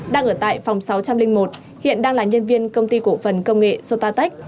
đang ở tại phòng sáu trăm linh một hiện đang là nhân viên công ty cổ phần công nghệ sotatech